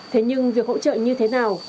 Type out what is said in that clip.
thế nhưng việc hỗ trợ như thế nào